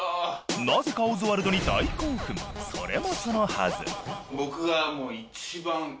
なぜかオズワルドに大興奮それもそのはず